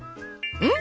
うん？